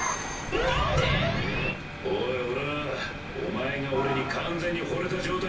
なんで⁉おい俺はお前が俺に完全に惚れた状態でなきゃ。